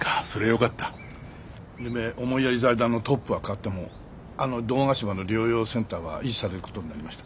夢思いやり財団のトップは代わってもあの堂ヶ島の療養センターは維持される事になりました。